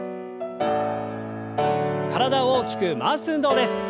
体を大きく回す運動です。